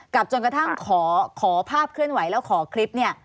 จนกระทั่งขอภาพเคลื่อนไหวแล้วขอคลิปเนี่ย